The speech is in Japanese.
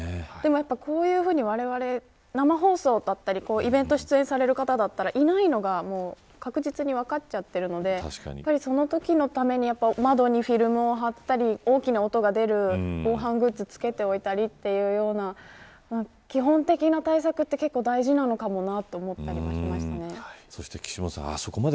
こういうふうにわれわれ、生放送だったりイベント出演される方だったら、いないのが確実に分かっちゃっているのでそのときのために、窓にフィルムを貼ったり大きな音が出る防犯グッズを付けておいたりというような基本的な対策って、結構大事なのかもなと岸本さん